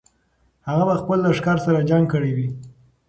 هغه به خپل لښکر سره جنګ کړی وي.